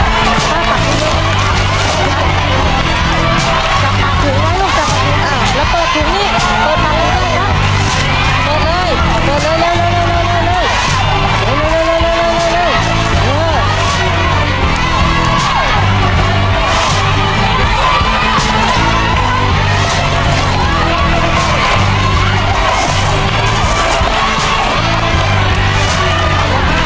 นะหรือรุกจากอ่าแล้วมาถูกนี่เปิดต่างกันก็ได้นะครับ